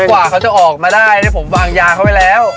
กว่าเขาจะออกมาได้ผมวางยาเขาไว้แล้ว